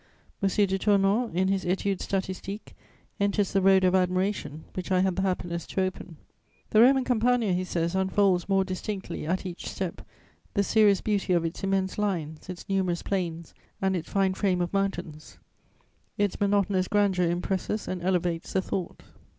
M. de Tournon, in his Études statistiques, enters the road of admiration which I had the happiness to open: "The Roman Campagna," he says, "unfolds more distinctly, at each step, the serious beauty of its immense lines, its numerous plains and its fine frame of mountains. Its monotonous grandeur impresses and elevates the thought."